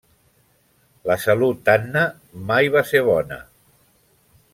La salut d'Anna mai va ser bona.